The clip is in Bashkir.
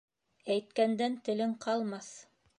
Әйткәндән телең ҡалмаҫ